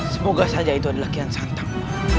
semoga saja itu adalah kian santap